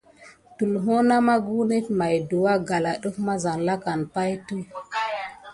Tulho na maku net maye dukua kala def mazalakane pay tät de.